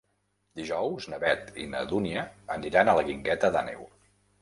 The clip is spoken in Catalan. Dijous na Beth i na Dúnia aniran a la Guingueta d'Àneu.